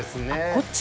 こっち？